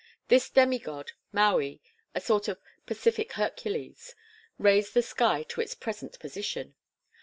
This demigod, Maui, a sort of Pacific Hercules, raised the sky to its present position.